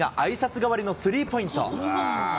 代わりのスリーポイント。